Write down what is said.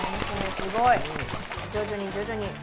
すごい！徐々に徐々に。